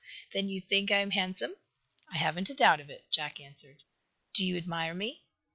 Then you think I am handsome?" "I haven't a doubt of it," Jack answered. "Do you admire me?"